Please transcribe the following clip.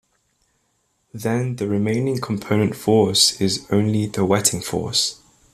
Then the remaining component force is only the wetting force.